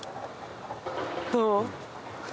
どう？